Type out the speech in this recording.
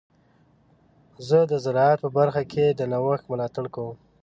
زه د زراعت په برخه کې د نوښت ملاتړ کوم.